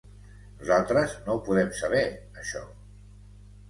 Nosaltres no ho podem saber això.